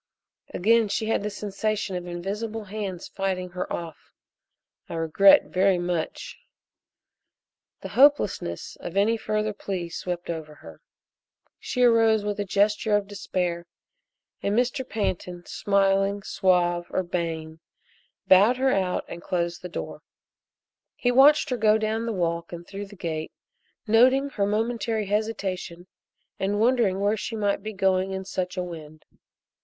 Again she had the sensation of invisible hands fighting her off. "I regret very much " The hopelessness of any further plea swept over her. She arose with a gesture of despair, and Mr. Pantin, smiling, suave, urbane, bowed her out and closed the door. He watched her go down the walk and through the gate, noting her momentary hesitation and wondering where she might be going in such a wind.